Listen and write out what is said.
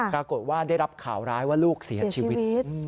ปรากฏว่าได้รับข่าวร้ายว่าลูกเสียชีวิต